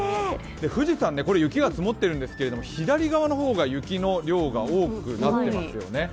富士山、雪が積もっているんですけれども、左側の方が雪の量が多くなってますよね。